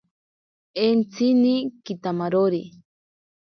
Entsini kitamarori.